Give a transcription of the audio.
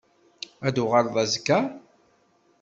Ad d-tuɣaleḍ azekka?